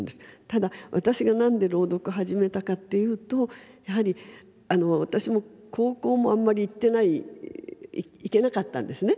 ただ私が何で朗読始めたかっていうとやはり私も高校もあんまり行ってない行けなかったんですね